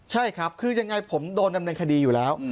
ใช่ครับคือยังไงผมโดนดำเนินคดีอยู่แล้ว